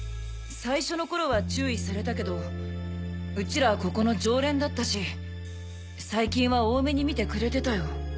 最初の頃は注意されたけどウチらここの常連だったし最近は大目に見てくれてたよ。